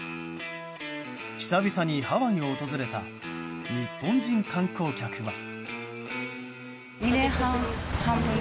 久々にハワイを訪れた日本人観光客は。